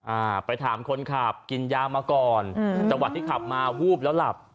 อ่าไปถามคนขับกินยามาก่อนอืมจังหวะที่ขับมาวูบแล้วหลับ